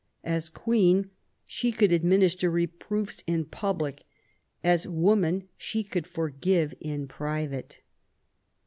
As Queen, she could administer reproofs in public ; as woman she could forgive in private.